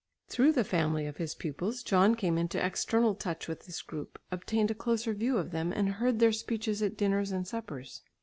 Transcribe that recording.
Through the family of his pupils John came into external touch with this group, obtained a closer view of them, and heard their speeches at dinners and suppers.